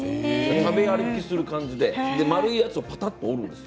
食べ歩きする感じで丸いやつは、ぱぱっと折るんです。